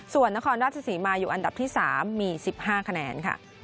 ส่วนนครราชศรีมาอยู่อันดับที่๓มี๑๕คะแนนค่ะ